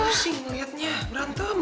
pusing ngeliatnya berantem